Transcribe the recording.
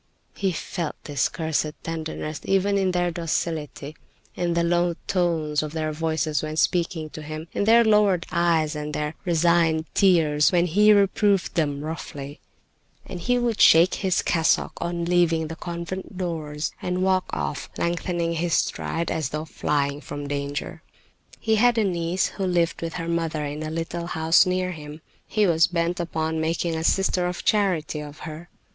He felt this cursed tenderness, even in their docility, in the low tones of their voices when speaking to him, in their lowered eyes, and in their resigned tears when he reproved them roughly. And he would shake his cassock on leaving the convent doors, and walk off, lengthening his stride as though flying from danger. He had a niece who lived with her mother in a little house near him. He was bent upon making a sister of charity of her.